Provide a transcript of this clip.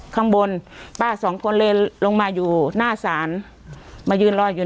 ข้างบนป้าสองคนเลยลงมาอยู่หน้าศาลมายืนรออยู่